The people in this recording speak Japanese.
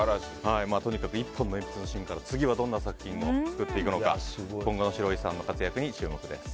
とにかく１本の鉛筆の芯から次はどんな作品を作っていくのか、今後のシロイさんの活躍に注目です。